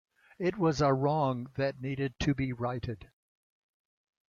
It was a wrong that needed to be righted.